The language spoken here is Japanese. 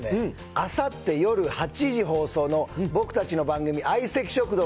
あさってよる８時放送の僕たちの番組相席食堂